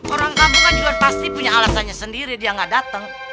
orang kampung kan juga pasti punya alasannya sendiri dia gak dateng